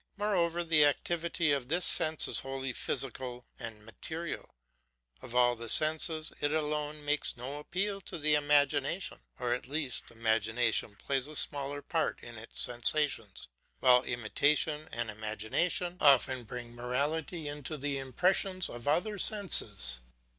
Moreover the activity of this sense is wholly physical and material; of all the senses, it alone makes no appeal to the imagination, or at least, imagination plays a smaller part in its sensations; while imitation and imagination often bring morality into the impressions of the other senses.